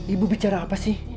ibu bicara apa sih